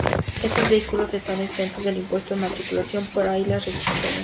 Estos vehículos están exentos del impuesto de matriculación, de ahí las restricciones de uso.